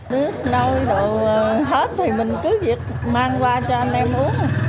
nước nấu đồ hết thì mình cứ việc mang qua cho anh em uống